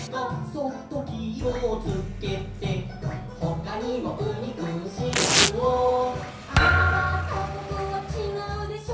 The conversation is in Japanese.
「そっときをつけて」「ほかにもウニくんシラウオ」「あーらータコくんはちがうでしょ」